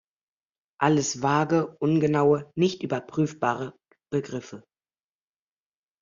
Alles vage, ungenaue, nicht überprüfbare Begriffe.